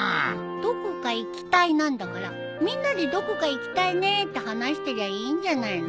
どこか行き隊なんだからみんなでどこか行きたいねって話してりゃいいんじゃないの。